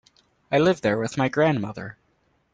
I live there with my grandmother.